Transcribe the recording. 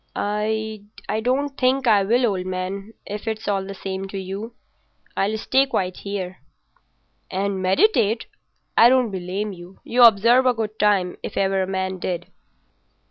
"I don't think I will, old man, if it's all the same to you. I'll stay quiet here." "And meditate? I don't blame you. You observe a good time if ever a man did."